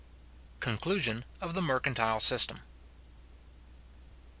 CONCLUSION OF THE MERCANTILE SYSTEM.